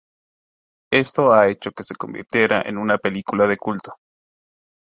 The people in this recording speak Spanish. Esto ha hecho que se convirtiera en una película de culto.